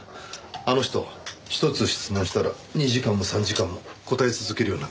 あの人１つ質問したら２時間も３時間も答え続けるような変わった人で。